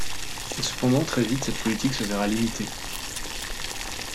Cependant, très vite, cette politique se verra limitée.